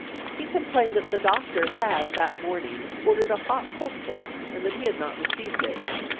He complained that the doctor had that morning ordered a hot poultice and that he had not received it.